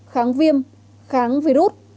kháng viêm kháng virus